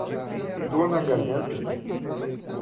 Dor na garganta